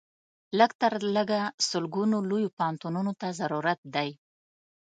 لږ تر لږه سلګونو لویو پوهنتونونو ته ضرورت دی.